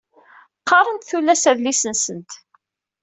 Qqarent tullas adlis-nsent.